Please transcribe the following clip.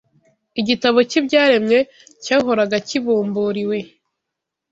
Igitabo cy’ibyaremwe cyahoraga kibumburiwe